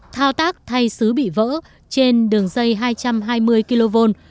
thao tác thay xứ bị vỡ trên đường dây hai trăm hai mươi kv